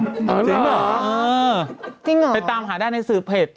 จริงเหรอเออไปตามหาได้ในสื่อเพจ